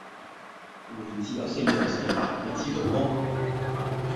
回字有四樣寫法，你知道麼？